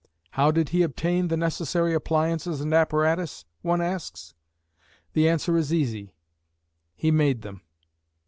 How did he obtain the necessary appliances and apparatus, one asks. The answer is easy. He made them.